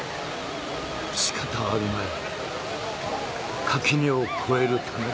仕方あるまい垣根を越えるためだ